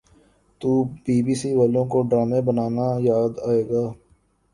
تو B B C والوں کو ڈرامے بنانا یاد آگئے ہیں